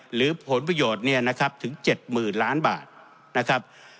หรือผลประโยชน์เนี่ยนะครับถึง๗๐๐๐ล้านบาทนะครับ